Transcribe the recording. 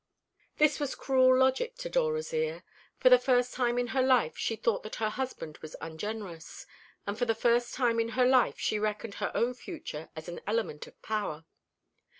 This was cruel logic to Dora's ear. For the first time in her life she thought that her husband was ungenerous; and for the first time in her life she reckoned her own fortune as an element of power.